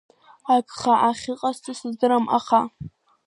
Агха ахьыҟасҵо сыздырам, аха.